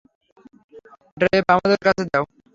Drive আমাদের কাছে আছে।